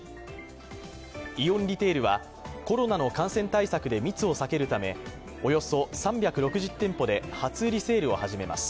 イオンリテールはコロナの感染対策で密を避けるためおよそ３６０店舗で初売りセールを始めます。